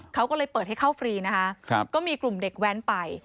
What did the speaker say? เขาก็เลยเปิดให้เข้าฟรีนะคะก็มีกลุ่มเด็กแว้นไป